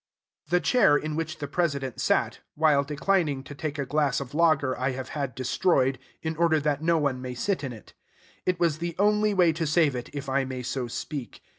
The chair in which the President sat, while declining to take a glass of lager I have had destroyed, in order that no one may sit in it. It was the only way to save it, if I may so speak.